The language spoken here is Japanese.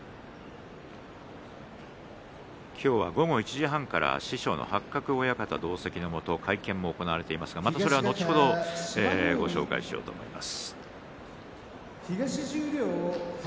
今日は午後１時半から師匠の八角親方同席で会見も行われていますがそれは後ほどお伝えしようと思います。